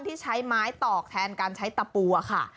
ที่ใช้ไม้ตอกแทนการใช้ตะปูค่ะ